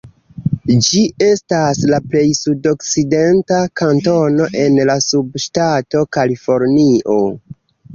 Ĝi estas la plej sudokcidenta kantono en la subŝtato Kalifornio.